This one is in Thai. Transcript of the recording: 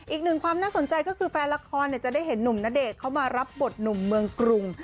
อีกหนึ่งความน่าสนใจก็คือแฟนละครจะได้เห็นหนุ่มณเดชน์เขามารับบทหนุ่มเมืองกรุง